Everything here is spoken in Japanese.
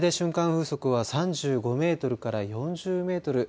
風速は３５メートルから４０メートル。